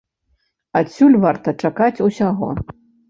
Адсюль варта чакаць усяго.